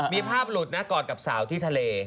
มีภาพหลุดนะกอดกับสาวที่ทะเล